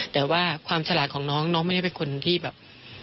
แต่ว่าความฉลาดของน้องน้องไม่ได้เป็นคนที่แบบ